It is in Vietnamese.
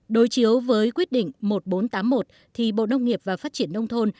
đối chiếu với quyết định một nghìn bốn trăm tám mươi một thì bộ nông nghiệp và phát triển nông thôn